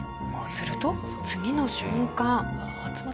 すると次の瞬間。